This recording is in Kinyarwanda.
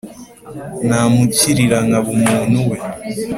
Namukirira nkaba umuntu we